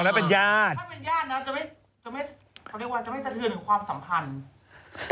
จะไม่สะเทือนความสัมพันธ์